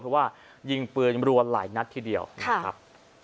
เพราะว่ายิงปืนรวมหลายนัดทีเดียวนะครับ